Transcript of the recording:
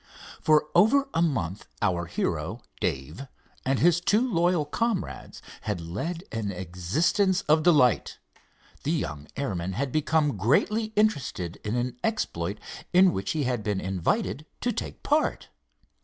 For over a month our hero, Dave, and his two loyal comrades had led an existence of delight. The young airman had become greatly interested in an exploit in which he had been invited to take part.